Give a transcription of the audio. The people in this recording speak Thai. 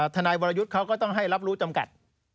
ทนายวรยุทธ์เขาก็ต้องให้รับรู้จำกัด